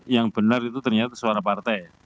yang benar itu ternyata suara partai